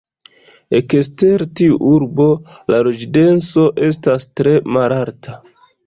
Ekster tiu urbo la loĝdenso estas tre malalta.